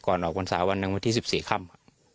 ก่อนออกวันศาวันนั้นวันที่๑๔ค่ำ